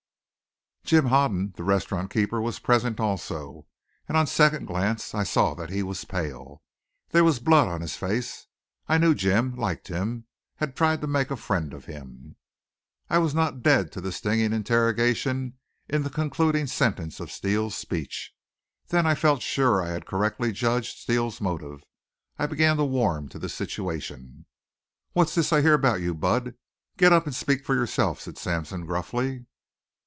Jim Hoden, the restaurant keeper, was present also, and on second glance I saw that he was pale. There was blood on his face. I knew Jim, liked him, had tried to make a friend of him. I was not dead to the stinging interrogation in the concluding sentence of Steele's speech. Then I felt sure I had correctly judged Steele's motive. I began to warm to the situation. "What's this I hear about you, Bud? Get up and speak for yourself," said Sampson, gruffly.